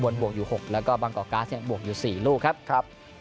อุบวนบวกอยู่๖แล้วก็บางกอกกราศบวกอยู่๔ลูกครับ